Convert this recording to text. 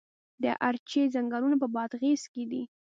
د ارچې ځنګلونه په بادغیس کې دي؟